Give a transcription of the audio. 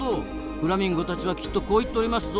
フラミンゴたちはきっとこう言っておりますぞ。